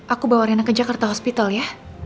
aku bawa renang ke jakarta hospital ya